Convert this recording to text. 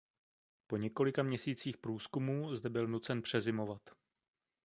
Po několika měsících průzkumů zde byl nucen přezimovat.